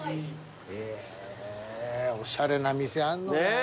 へぇーおしゃれな店あんのね。